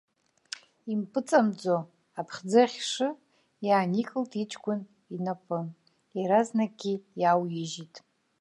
Импыҵамӡо, аԥхӡы ахьшы иааникылт иҷкәын инапы, иаразнакгьы иаауижьит.